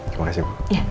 terima kasih bu